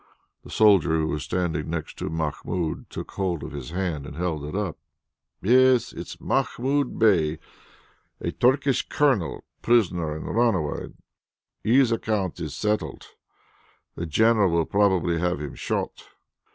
The soldier who was standing next to Mahmoud took hold of his hand and held it up. "Yes, it is Mahmoud Bey, a Turkish Colonel. Prisoner and runaway; his account is settled. The general will probably have him shot.